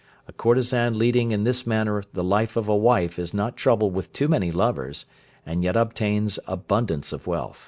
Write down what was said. "A courtesan leading in this manner the life of a wife is not troubled with too many lovers, and yet obtains abundance of wealth."